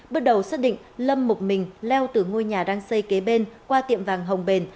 bước đầu xác định lâm một mình leo từ ngôi nhà đang xây kế bên qua tiệm vàng hồng bền